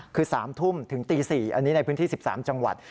คือ๓ทุ่มถึงตี๔อันนี้ในพื้นที่๑๓จังหวัด